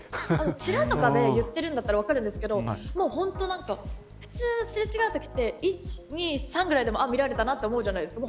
ちらっとかで言ってるんだったら分かるんですけど普通、すれ違うときって１、２、３ぐらいでも見られたと思うじゃないですか。